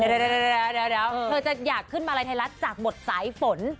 เดี๋ยวเธอจะอยากขึ้นมาลัยไทยรัฐจากหมดสายฝน